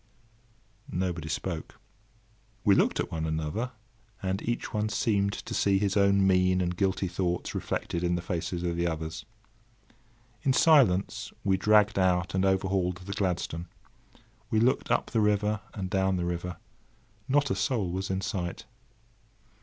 Nobody spoke. We looked at one another, and each one seemed to see his own mean and guilty thoughts reflected in the faces of the others. In silence, we dragged out and overhauled the Gladstone. We looked up the river and down the river; not a soul was in sight!